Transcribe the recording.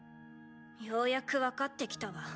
ようやく分かってきたわ